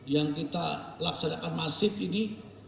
yang kita laksanakan masif ini